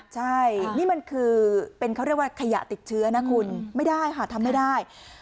ใช่นี่มันคือเป็นเขาเรียกว่าขยะติดเชื้อนะคุณไม่ได้ค่ะทำไม่ได้